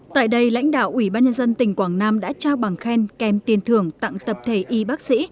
tại đây lãnh đạo ubnd tỉnh quảng nam đã trao bảng khen kèm tiền thưởng tặng tập thể y bác sĩ